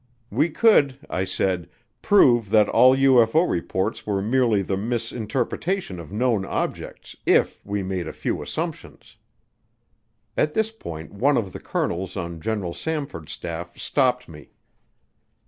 We could, I said, prove that all UFO reports were merely the misinterpretation of known objects if we made a few assumptions. At this point one of the colonels on General Samford's staff stopped me.